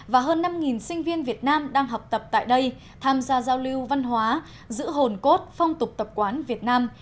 và hơn năm sinh viên việt nam đang học tập tại đây tham gia giao lưu văn hóa giữ hồn cốt phong tục tập quán việt nam